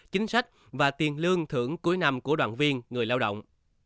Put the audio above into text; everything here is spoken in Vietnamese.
chính sách và tiền lương thưởng cuối năm của đoàn viên người lao động